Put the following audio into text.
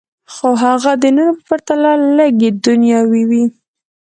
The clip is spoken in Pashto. خو هغه د نورو په پرتله لږې دنیاوي وې